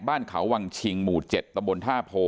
บ้านเขาวังชิงหมู่๗ตำบลท่าโพ